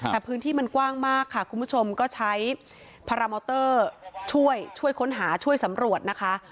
แต่พื้นที่มันกว้างมากค่ะคุณผู้ชมก็ใช้พารามอเตอร์ช่วยค้นหาช่วยสำรวจนะคะ